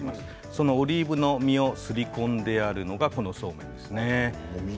そのオリーブの実をすり込んであるのが、このそうめんですね。